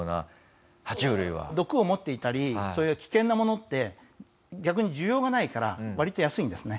毒を持っていたりそういう危険なものって逆に需要がないから割と安いんですね。